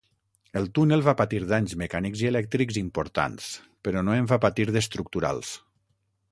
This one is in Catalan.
El túnel va patir danys mecànics i elèctrics importants, però no en va patir d'estructurals.